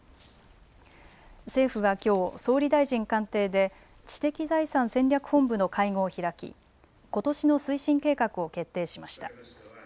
政府はきょう、総理大臣官邸で知的財産戦略本部の会合を開きことしの推進計画を決定しました。